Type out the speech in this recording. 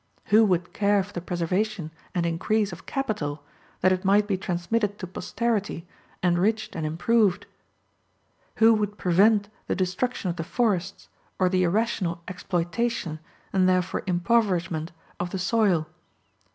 Who would care for the preservation and increase of capital, that it might be transmitted to posterity, enriched and improved? Who would prevent the destruction of the forests, or the irrational exploitation, and therefore impoverishment of the soil?